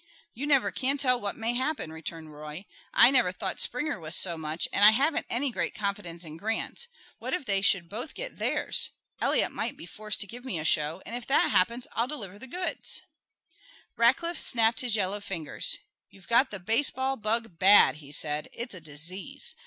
"You never can tell what may happen," returned Roy. "I never thought Springer was so much, and I haven't any great confidence in Grant. What if they should both get theirs? Eliot might be forced to give me a show, and if that happens I'll deliver the goods " Rackliff snapped his yellow fingers. "You've got the baseball bug bad," he said. "It's a disease.